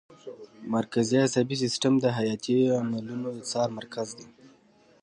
مرکزي عصبي سیستم د حیاتي عملونو د څار مرکز دی